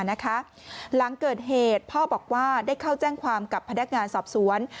หลังเกิดเหตุพ่อบอกว่าได้เข้าแจ้งความกับพนักงานสอบสวน